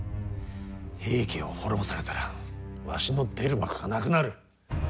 平家を滅ぼされたらわしの出る幕がなくなる。